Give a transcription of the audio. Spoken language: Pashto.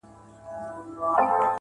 چي کله ستا د حسن په جلوه کي سره ناست و~